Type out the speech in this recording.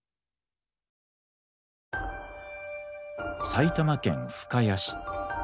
埼玉県深谷市。